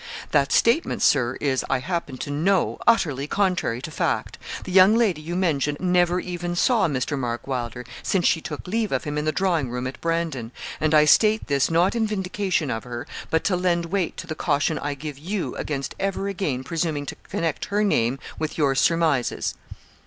'That statement, Sir, is, I happen to know, utterly contrary to fact. The young lady you mention never even saw Mr. Mark Wylder, since she took leave of him in the drawing room at Brandon; and I state this not in vindication of her, but to lend weight to the caution I give you against ever again presuming to connect her name with your surmises.'